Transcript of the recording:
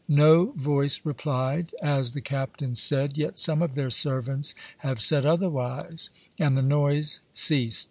No voice replied, (as the Captains said, yet some of their servants have said otherwise,) and the noise ceast.